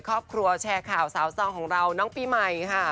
ครอบครัวแชร์ข่าวสาวซองของเราน้องปีใหม่ค่ะ